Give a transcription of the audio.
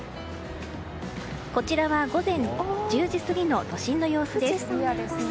こちらは、午前１０時過ぎの都心の様子です。